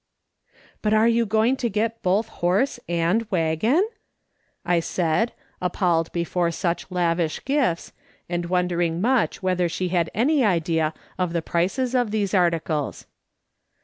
" But are you going to get both horse and waggon V I said, appalled before such lavish gifts, and wonder ing much whether she had any idea of the prices of these articles.